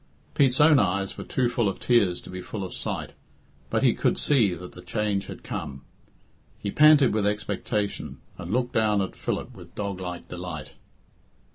Pete's own eyes were too full of tears to be full of sight, but he could see that the change had come. He panted with expectation, and looked down at Philip with doglike delight.